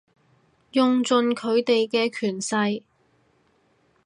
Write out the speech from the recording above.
用盡佢哋嘅權勢